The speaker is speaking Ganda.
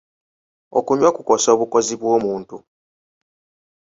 Okunywa kukosa obukozi bw'omuntu.